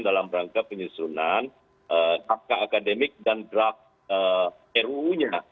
dalam rangka penyusunan naskah akademik dan draft ruu nya